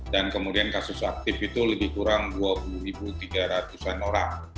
dan kemudian kasus aktif itu lebih kurang dua puluh tiga ratus an orang